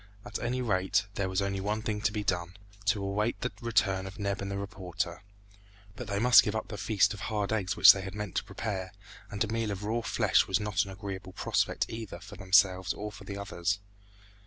At any rate, there was only one thing to be done to await the return of Neb and the reporter; but they must give up the feast of hard eggs which they had meant to prepare, and a meal of raw flesh was not an agreeable prospect either for themselves or for the others.